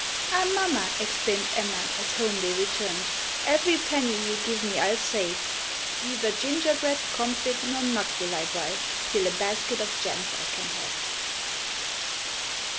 "Ah, mamma," exclaim'd Emma, as home they return'd, "Ev'ry penny you give me I'll save; Neither gingerbread, comfit, nor nut will I buy, Till a basket of Jem's I can have."